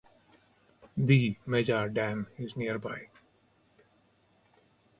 The Meja Dam is nearby.